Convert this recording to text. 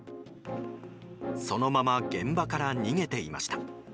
そのまま現場から逃げていました。